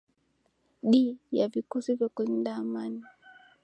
di ya vikosi vya kulinda amani